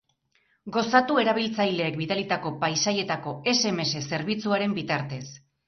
Gozatu erabiltzaileek bidalitako paisaietako sms zerbitzuaren bitartez.